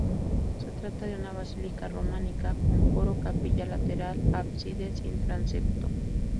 Se trata de una basílica románica con coro, capilla lateral, ábside sin transepto.